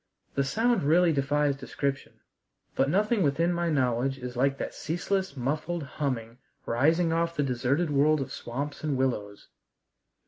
The sound really defies description. But nothing within my knowledge is like that ceaseless muffled humming rising off the deserted world of swamps and willows.